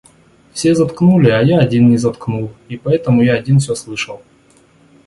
Все заткнули, а я один не заткнул и потому я один всё слышал.